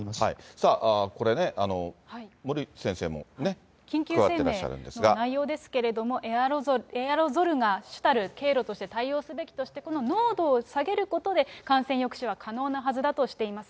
さあ、これね、森内先生もね、緊急声明の内容ですけれども、エアロゾルが主たる経路として対応すべきとしてこの濃度を下げることで、感染抑止は可能なはずだとしています。